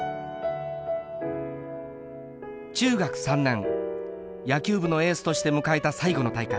中学３年野球部のエースとして迎えた最後の大会。